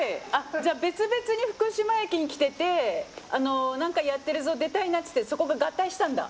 じゃあ別々に福島駅に来てて何かやってるぞ出たいなっつってそこが合体したんだ？